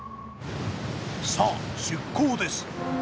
さあ出港です。